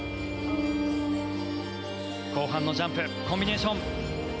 後半のジャンプコンビネーション。